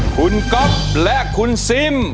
คุณก๊อฟและคุณซิม